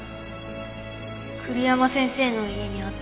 栗山先生の家にあった。